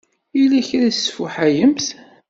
Yella kra i tesfuḥayemt?